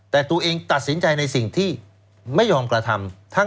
แต่ตัวเองตัดสินใจในสิ่งที่ไม่ยอมกระทำ